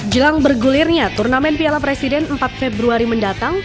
jelang bergulirnya turnamen piala presiden empat februari mendatang